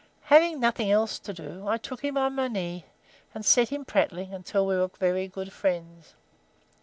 Having nothing else to do, I took him on my knee, and set him prattling until we were very good friends.